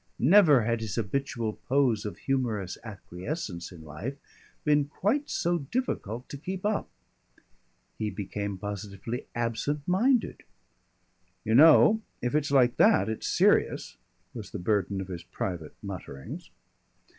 Never had his habitual pose of humorous acquiescence in life been quite so difficult to keep up. He became positively absent minded. "You know if it's like that, it's serious," was the burden of his private mutterings.